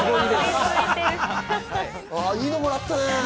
いいのもらったね。